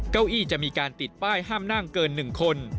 เก้าอี้จะมีการติดป้ายห้ามนั่งเกิน๑คน